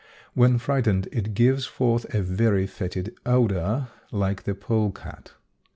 When frightened it gives forth a very fetid odor like the polecat.